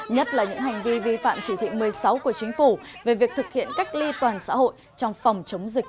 nhất là những hành vi vi phạm chỉ thị một mươi sáu của chính phủ về việc thực hiện cách ly toàn xã hội trong phòng chống dịch covid một mươi chín